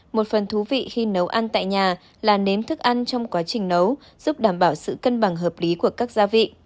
một phần thú vị khi nấu ăn tại nhà là nếm thức ăn trong quá trình nấu giúp đảm bảo sự cân bằng hợp lý của các gia vị